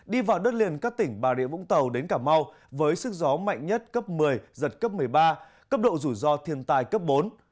đi vào đất liền các tỉnh bà rịa vũng tàu đến cà mau với sức gió mạnh nhất cấp một mươi giật cấp một mươi ba cấp độ rủi ro thiên tài cấp bốn